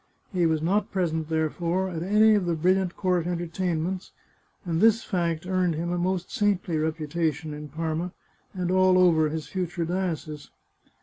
He was not present, therefore, at any of the brilliant court entertainments, and this fact earned him a most saintly reputation in Parma, and all over his future diocese.